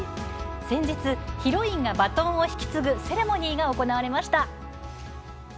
先日ヒロインがバトンを引き継ぐセレモニーが行われました。